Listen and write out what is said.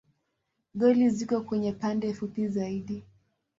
Goli ziko kwenye pande fupi zaidi.